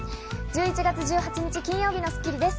１１月１８日、金曜日の『スッキリ』です。